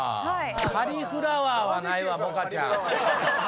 「カリフラワー」はないわ萌歌ちゃん。